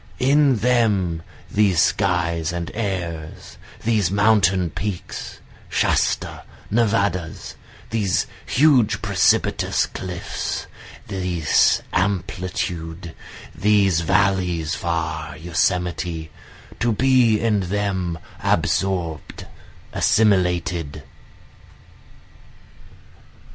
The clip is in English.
In them these skies and airs, these mountain peaks, Shasta, Nevadas, These huge precipitous cliffs, this amplitude, these valleys, far Yosemite, To be in them absorb'd, assimilated.